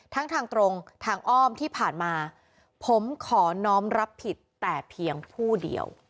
ทางตรงทางอ้อมที่ผ่านมาผมขอน้องรับผิดแต่เพียงผู้เดียว